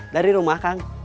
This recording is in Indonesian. dari rumah kang